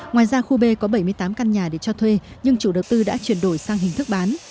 ngoài ra khu b có bảy mươi tám căn nhà để cho thuê nhưng chủ đầu tư đã chuyển đổi sang hình thức bán